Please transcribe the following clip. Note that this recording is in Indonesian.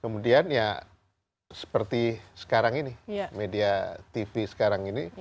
kemudian ya seperti sekarang ini media tv sekarang ini